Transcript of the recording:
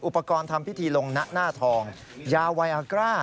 อุปกรณ์ทำพิธีลงหน้าทองยาไวอากร่า